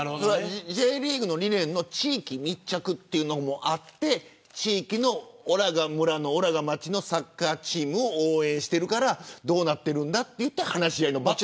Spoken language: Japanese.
Ｊリーグの理念の地域密着というのもあって地域の、おらが村のおらが町のサッカーチームを応援してるからどうなってるんだといって話し合いの場が。